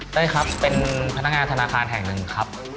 เฮ้ยครับเป็นพนักงานธนาคารแห่งหนึ่งครับ